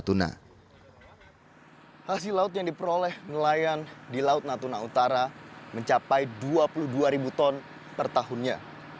selain itu nelayan yang diperoleh di laut natuna utara mencapai dua puluh dua ton per tahunnya